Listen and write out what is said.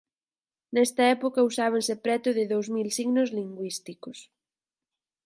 Nesta época usábanse preto de dous mil signos lingüísticos.